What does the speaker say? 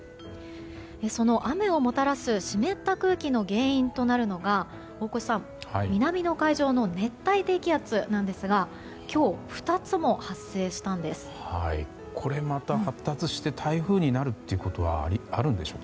その雨をもたらす湿った空気の原因となるのが大越さん南の海上の熱帯低気圧なんですが今日、２つも発生したんです。